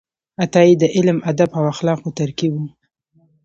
عطايي د علم، ادب او اخلاقو ترکیب و.